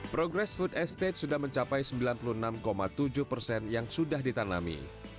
progress food estate sudah mencapai sembilan puluh enam tujuh persen yang sudah ditanami